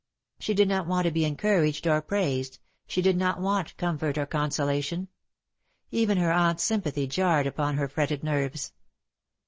She did not want to be encouraged or praised; she did not want comfort or consolation. Even her aunt's sympathy jarred upon her fretted nerves.